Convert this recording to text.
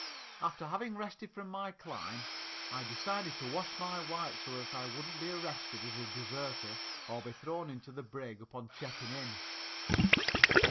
After having rested from my climb, I decided to wash my Whites so that I wouldn't be arrested as a deserter or be thrown into the brig upon checking in.